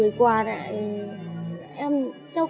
bố của em là ông nguyễn văn trọng